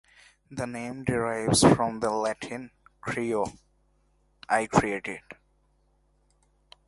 The name derives from the Latin "creo", "I create.